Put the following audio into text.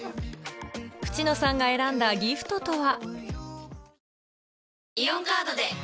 渕野さんが選んだギフトとは？